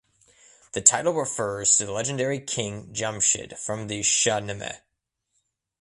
The title refers to the legendary king Jamshid from the Shahnameh.